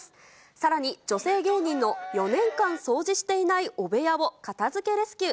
さらに女性芸人の４年間掃除していない汚部屋を片づけレスキュー。